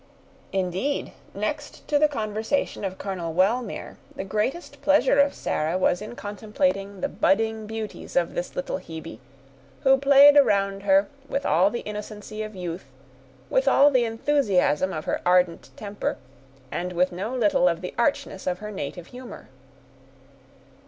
Indeed, next to the conversation of Colonel Wellmere, the greatest pleasure of Sarah was in contemplating the budding beauties of the little Hebe, who played around her with all the innocency of youth, with all the enthusiasm of her ardent temper, and with no little of the archness of her native humor.